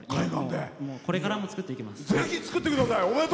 これからも作っていきます。